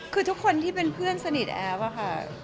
คือทุกคนที่เป็นเพื่อนสนิทแอฟอะค่ะ